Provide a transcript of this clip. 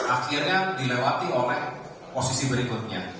akhirnya dilewati oleh posisi berikutnya